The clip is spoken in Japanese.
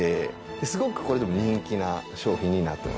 すごくこれでも人気な商品になってますね。